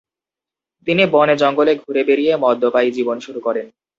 তিনি বনে জঙ্গলে ঘুরে বেড়িয়ে মদ্যপায়ী জীবন শুরু করেন।